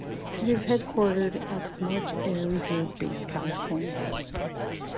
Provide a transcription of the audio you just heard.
It is headquartered at March Air Reserve Base, California.